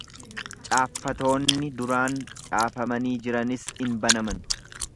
caaffatoonni duraan caafamanii jiranis in banaman.